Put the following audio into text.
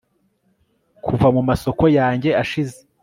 Kuva mu masoko yanjye ashize